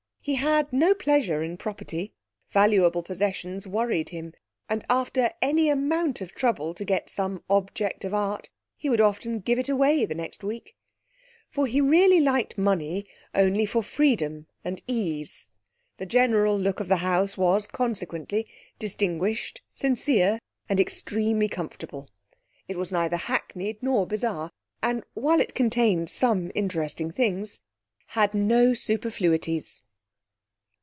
He had no pleasure in property; valuable possessions worried him, and after any amount of trouble to get some object of art he would often give it away the next week. For he really liked money only for freedom and ease. The general look of the house was, consequently, distinguished, sincere and extremely comfortable. It was neither hackneyed nor bizarre, and, while it contained some interesting things, had no superfluities.